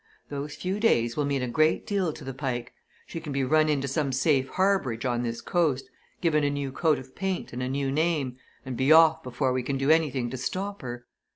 Those few days will mean a great deal to the Pike. She can be run into some safe harbourage on this coast, given a new coat of paint and a new name, and be off before we can do anything to stop her.